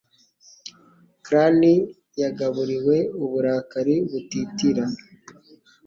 Clan- yagaburiwe uburakari butitira